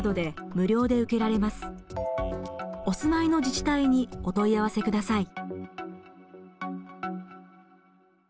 お住まいの自治体にお問い合わせください。